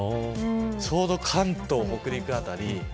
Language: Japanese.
ちょうど関東、北陸辺り。